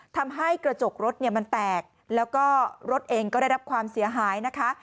ทำให้กระจกรถเนี่ยมันแตกแล้วก็รถเองก็ได้รับความเสียหายนะคะ